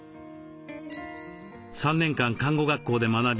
３年間看護学校で学び